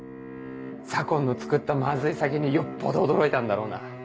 左紺の造ったマズイ酒によっぽど驚いたんだろうな。